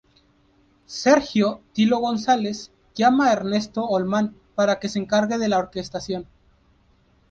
Sergio "Tilo" González, llama a Ernesto Holman para que se encargue de la orquestación.